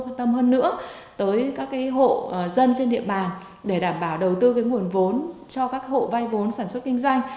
quan tâm hơn nữa tới các hộ dân trên địa bàn để đảm bảo đầu tư cái nguồn vốn cho các hộ vay vốn sản xuất kinh doanh